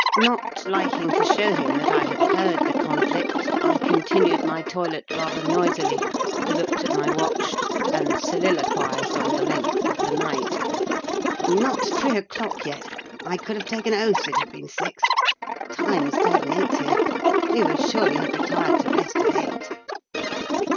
Not liking to show him that I had heard the conflict, I continued my toilette rather noisily, looked at my watch, and soliloquised on the length of the night: "Not three o'clock yet! I could have taken oath it had been six. Time stagnates here: we must surely have retired to rest at eight!"